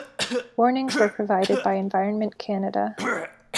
Warnings were provided by Environment Canada.